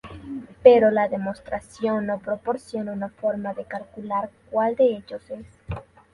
Pero la demostración no proporciona una forma de calcular cual de ellos es.